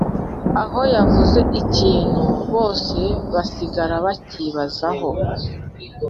Aho yavuze ikintu bose basigaraga bakibazaho